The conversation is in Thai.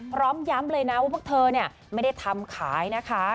พร้อมย้ำเลยนะว่าพวกเธอเนี่ยไม่ได้ทำขายนะคะ